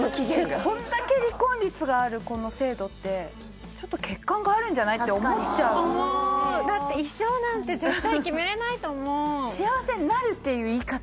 でこんだけ離婚率があるこの制度ってちょっと欠陥があるんじゃない？って思っちゃう思うだって一生なんて絶対決めれないと思うああうん